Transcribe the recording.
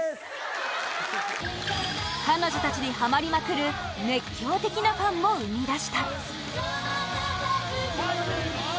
彼女たちにハマりまくる熱狂的なファンも生み出したアイナ：